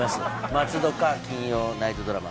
松戸か金曜ナイトドラマ。